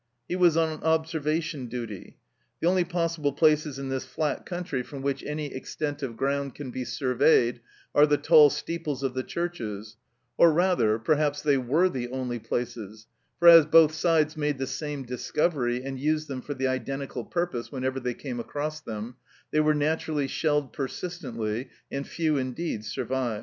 He was on observation duty. The only possible places in this flat country from which GIPSY AND THE MAJOR 87 any extent of ground can be surveyed are the tall steeples of the churches, or, rather, perhaps they were the only places, for as both sides made the same discovery, and used them for the identical purpose whenever they came across them, they were naturally shelled persistently, and few indeed survive.